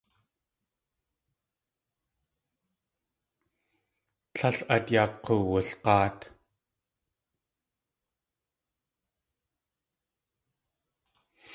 Tlél át yaa k̲uwulg̲áat.